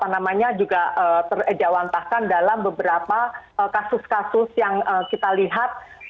namanya juga terejawantahkan dalam beberapa kasus kasus yang kita lihat